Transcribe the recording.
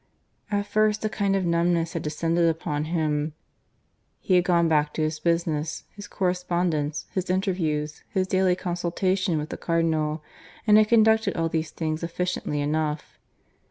At first a kind of numbness had descended upon him. He had gone back to his business, his correspondence, his interviews, his daily consultation with the Cardinal, and had conducted all these things efficiently enough.